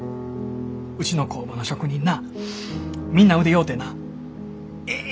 うちの工場の職人なみんな腕ようてなええ